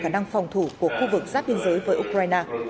khả năng phòng thủ của khu vực giáp biên giới với ukraine